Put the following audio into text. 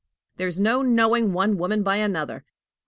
"There's no knowing one woman by another!"